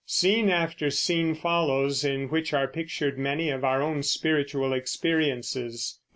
Scene after scene follows, in which are pictured many of our own spiritual experiences.